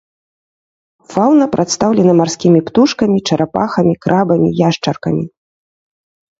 Фаўна прадстаўлена марскімі птушкамі, чарапахамі, крабамі, яшчаркамі.